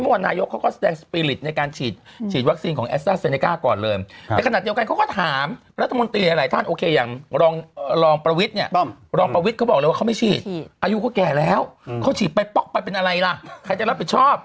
ว่าเป็นอะไรล่ะใครจะรับผิดชอบ